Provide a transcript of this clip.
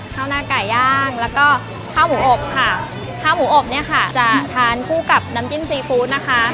ข้าวหน้าไก่ย่างแล้วก็ข้าวหมูอบค่ะข้าวหมูอบเนี่ยค่ะจะทานคู่กับน้ำจิ้มซีฟู้ดนะคะ